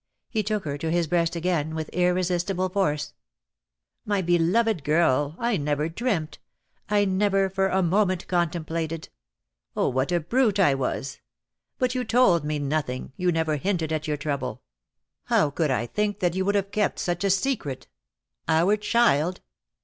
He took her to his breast again with irresistible force. "My beloved girl — I never dreamt — I never for a moment contemplated Oh, what a brute I was! But you told me nothing — you never hinted at your trouble. How could I think that you would 17* 26o DEAD LOVE HAS CHAINS, have kept such a secret? Our child!